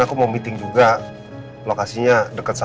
apa lu minimah jadi mama gita